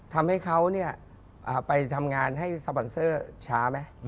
ทำให้เขาไปทำงานให้สปอนเซอร์ช้าไหม